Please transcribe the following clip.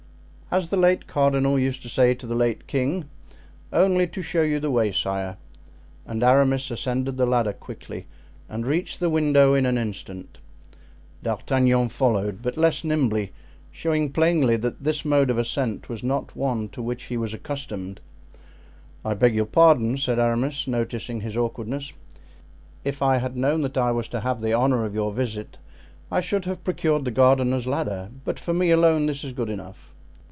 "As the late cardinal used to say to the late king, 'only to show you the way, sire.'" And Aramis ascended the ladder quickly and reached the window in an instant. D'Artagnan followed, but less nimbly, showing plainly that this mode of ascent was not one to which he was accustomed. "I beg your pardon," said Aramis, noticing his awkwardness; "if I had known that I was to have the honor of your visit I should have procured the gardener's ladder; but for me alone this is good enough."